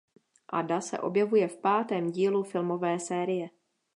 Ada se objevuje v pátém dílu filmové série.